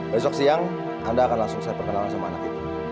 besok siang anda akan langsung saya perkenalkan sama anak itu